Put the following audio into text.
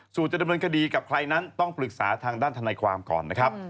ส่วนจะดำเนินคดีกับใครนั้นต้องปรึกษาทางด้านทนายความก่อนนะครับ